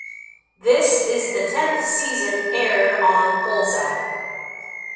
This is the tenth season aired on Polsat.